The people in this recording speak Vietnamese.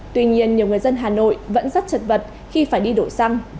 tuy nhiên nhiều người dân hà nội vẫn rất chật vật khi phải đi đổ xăng